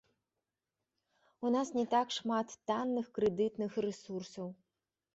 У нас не так шмат танных крэдытных рэсурсаў.